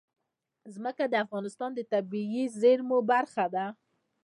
ځمکه د افغانستان د طبیعي زیرمو برخه ده.